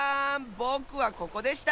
ぼくはここでした。